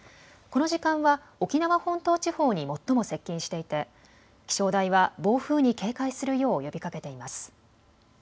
この時間は沖縄本島地方に最も接近していて気象台は暴風に警戒するよう呼びかけています。